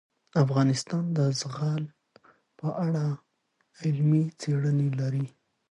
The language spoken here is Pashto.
افغانستان د زغال په اړه علمي څېړنې لري.